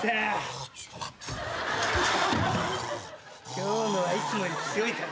今日のはいつもより強いからね。